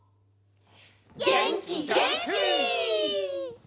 げんきげんき！